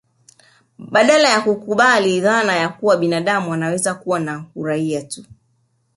Badala ya kukubali dhana ya kuwa binadamu anaweza kuwa na raia tu